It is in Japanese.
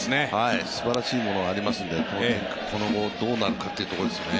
すばらしいものがありますので、今後どうなるかというところですね。